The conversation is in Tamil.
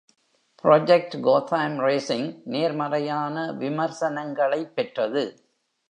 "Project Gotham Racing" நேர்மறையான விமர்சனங்களைப் பெற்றது.